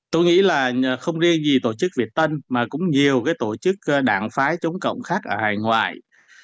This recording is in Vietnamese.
tôi nghĩ là không riêng gì tổ chức việt tân mà cũng nhiều tổ chức đảng phái chống cộng khác ở hải ngoại